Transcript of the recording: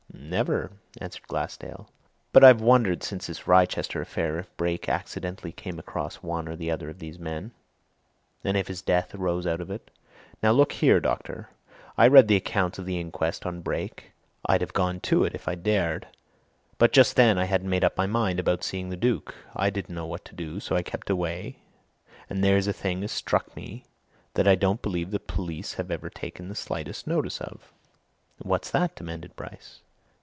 "Never!" answered Glassdale. "But I've wondered since this Wrychester affair if Brake accidentally came across one or other of those men, and if his death arose out of it. Now, look here, doctor! I read the accounts of the inquest on Brake I'd have gone to it if I'd dared, but just then I hadn't made up my mind about seeing the Duke; I didn't know what to do, so I kept away, and there's a thing has struck me that I don't believe the police have ever taken the slightest, notice of." "What's that?" demanded Bryce.